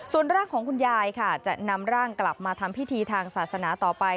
ส่วนร่างของคุณยายค่ะจะนำร่างกลับมาทำพิธีทางศาสนาต่อไป